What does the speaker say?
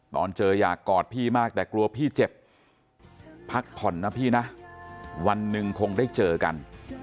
ตอนเจออยากกอดพี่มากแต่กลัวพี่เจ็บพักผ่อนนะพี่นะวันหนึ่งคงได้เจอกัน